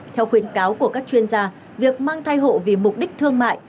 theo khuyến cáo của các chuyên gia việc mang thai hộ vì mục đích thương mại